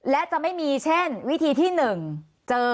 และจะไม่มีเช่นวิธีที่๑เจอ